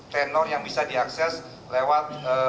tenor yang bisa diakses lewat